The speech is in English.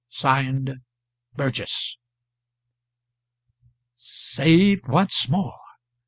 [Signed] 'BURGESS.'" "Saved, once more.